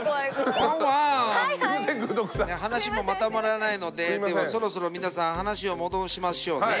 ワンワーン話もまとまらないのでそろそろ皆さん話を戻しましょうね。